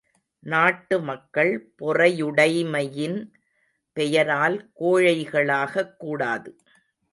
நாட்டு மக்கள் பொறையுடைமையின் பெயரால் கோழைகளாகக் கூடாது.